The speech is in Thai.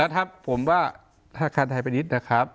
ถ้าผมว่าธนาคารไทยพาณิชย์นะครับ